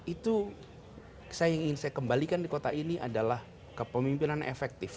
itu saya ingin saya kembalikan di kota ini adalah kepemimpinan efektif